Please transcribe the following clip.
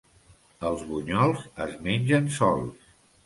Els bunyols es mengen sols.